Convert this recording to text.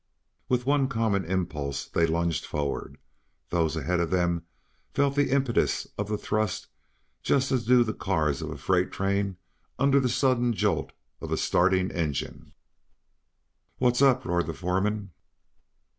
With one common impulse they lunged forward. Those ahead of them felt the impetus of the thrust just as do the cars of a freight train under the sudden jolt of a starting engine. "What's up?" roared the foreman.